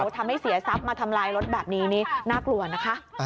ทำให้เสียทรัพย์มาทำลายรถแบบนี้นี่น่ากลัวนะคะ